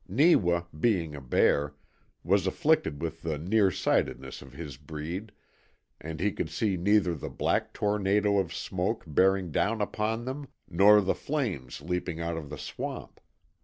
Neewa, being a bear, was afflicted with the near sightedness of his breed, and he could see neither the black tornado of smoke bearing down upon them nor the flames leaping out of the swamp.